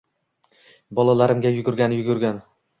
Bolalarimga yugurgani yugurgan